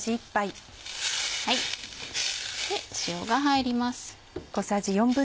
塩が入ります。